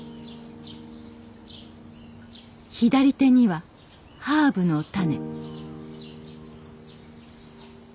左手にはハーブの種。